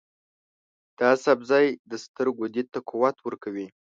دا سبزی د سترګو دید ته قوت ورکوي.